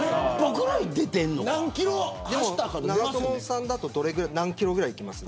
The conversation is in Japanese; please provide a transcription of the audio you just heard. さんだと何キロぐらいいきますか。